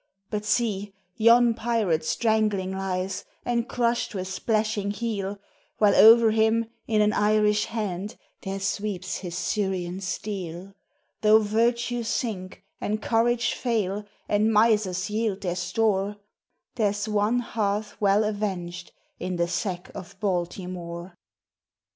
But see, yon pirate strangling lies, and crushed with splashing heel, While o'er him in an Irish hand there sweeps his Syrian steel; Though virtue sink, and courage fail, and misers yield their store, There 's one hearth well avenged in the sack of Baltimore!